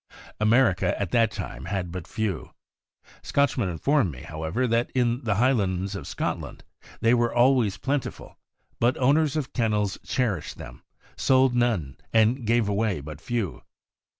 America at that time had but few. Scotch men inform me, however, that in the Highlands of Scot land they were always plentiful, but owners of kennels cherished them, sold none, and gave away but few.